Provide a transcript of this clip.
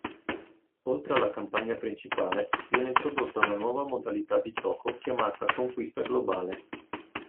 Oltre alla campagna principale, viene introdotta una nuova modalità di gioco chiamata "conquista globale".